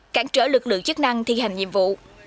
cản trở lực lượng chức năng thi hành nhiệm vụ